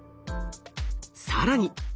更に。